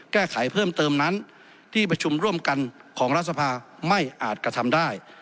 แก้ไขเพิ่มเติมนั้นที่ประชุมร่วมกันของรัฐสภาไม่อาจกระทำได้